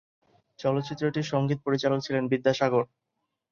চলচ্চিত্রটির সঙ্গীত পরিচালক ছিলেন বিদ্যাসাগর।